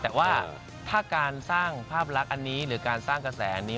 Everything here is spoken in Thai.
แต่ว่าถ้าการสร้างภาพลักษณ์อันนี้หรือการสร้างกระแสนี้